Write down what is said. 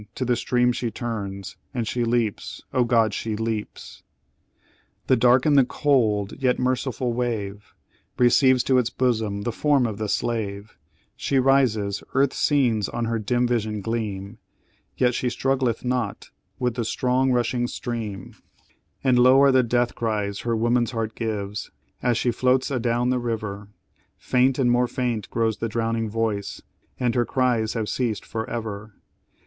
to the stream she turns, And she leaps! O God, she leaps! "The dark and the cold, yet merciful wave, Receives to its bosom the form of the slave: She rises earth's scenes on her dim vision gleam, Yet she struggleth not with the strong rushing stream: And low are the death cries her woman's heart gives, As she floats adown the river, Faint and more faint grows the drowning voice, And her cries have ceased for ever!